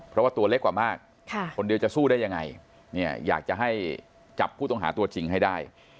เพราะว่าตัวเล็กกว่ามากคนเดียวจะสู้ได้ยังไงเนี่ยอยากจะให้จับผู้ต้องหาตัวจริงให้ได้